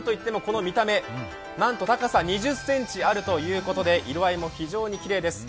なんと高さ２０ｃｍあるということで色合いも非常にきれいです。